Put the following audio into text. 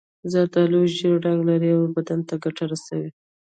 زردالو ژېړ رنګ لري او بدن ته ګټه رسوي.